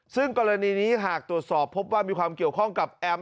ซึ่งกรณีนี้หากตรวจสอบพบว่ามีความเกี่ยวข้องกับแอม